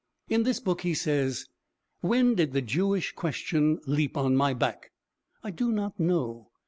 In this book he says: "When did the 'Jewish question' leap on my back? I do not know.